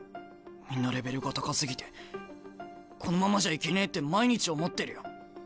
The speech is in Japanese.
みんなレベルが高すぎてこのままじゃいけねえって毎日思ってるよ。